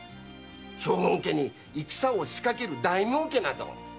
将軍家に戦を仕掛ける大名家など。